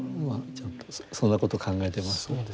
ちょっとそんなこと考えています。